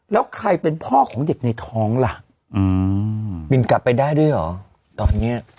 แล้วใครเป็นพ่อของเด็กในท้องล่ะบินกลับไปได้ด้วยเหรอตอนเนี้ย